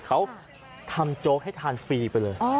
เขาทำโจ๊กให้ทานฟรีไปเลย